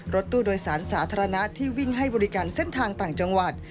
รถตู้โดยสารสาธารณะที่วิ่งให้บริการเส้นทางต่างจังหวัด